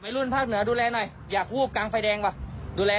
ไว้รุ่นภาคเหนือรายงานตัวด้วย